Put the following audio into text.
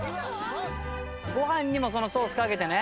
ご飯にもそのソースかけてね。